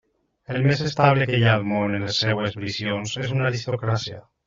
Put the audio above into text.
El més estable que hi ha al món en les seves visions és una aristocràcia.